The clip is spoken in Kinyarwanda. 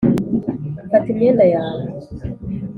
fata imyenda yawe.